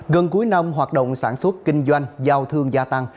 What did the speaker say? gần cuối năm hoạt động sản xuất kinh doanh giao thương gia tăng